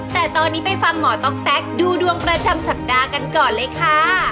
แต่ตอนนี้ไปฟังหมอต๊อกแต๊กดูดวงประจำสัปดาห์กันก่อนเลยค่ะ